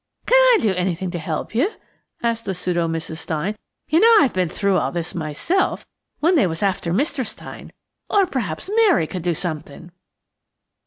"Can I do anything to help you?" asked the pseudo Mrs. Stein. "You know I've been through all this myself, when they was after Mr. Stein. Or perhaps Mary could do something."